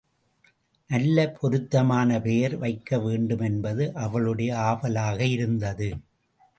நல்ல பொருத்தமான பெயர் வைக்க வேண்டுமென்பது அவளுடைய ஆவலாக இருந்தது.